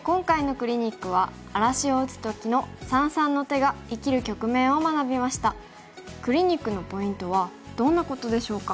クリニックのポイントはどんなことでしょうか。